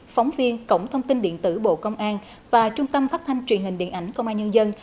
phóng viên cổng thông tin điện tử bộ công an và trung tâm phát thanh truyền hình điện ảnh công an nhân dân